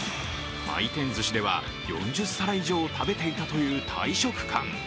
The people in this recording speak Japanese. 回転ずしでは４０皿以上食べていたという大食漢。